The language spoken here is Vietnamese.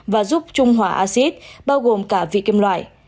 và giúp trung hòa acid bao gồm cả vị kim loại